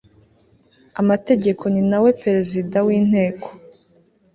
amategeko ni nawe perezida w inteko